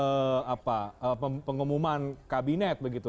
harusnya terjadi sebelum pengumuman kabinet begitu